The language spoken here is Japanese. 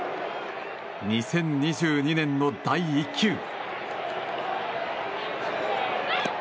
２０２２年の第１球。